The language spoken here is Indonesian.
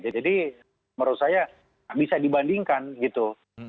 jadi menurut saya bisa dibandingkan gitu